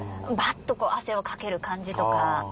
っとこう汗をかける感じとか。